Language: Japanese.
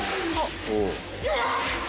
うわ。